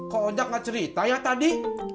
kok onjak gak cerita ya tadi